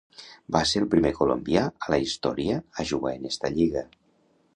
Va ser el primer colombià a la història a jugar en esta lliga.